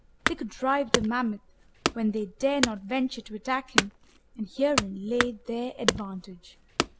They could drive the mammoth when they dare not venture to attack him, and herein lay their advantage.